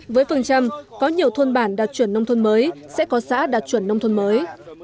với phần trăm có nhiều thôn bản đạt chuẩn nông thôn mới sẽ có xã đạt chuẩn nông thôn mới